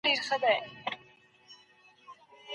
شمال ته وسلې روانې دي.